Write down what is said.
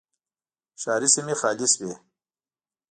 ښاري سیمې خالي شوې.